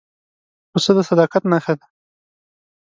پسه د صداقت نښه ده.